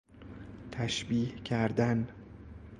تشبیه کردن